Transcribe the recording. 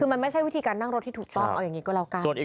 คือมันไม่ใช่วิธีการนั่งรถที่ถูกต้องเอาอย่างนี้ก็แล้วกัน